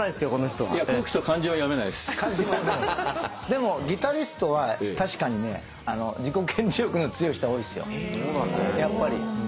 でもギタリストは確かにね自己顕示欲の強い人多いっすよやっぱり。